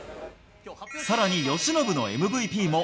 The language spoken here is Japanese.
さらに由伸のＭＶＰも。